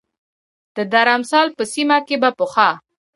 د درمسال په سیمه کې به پخوا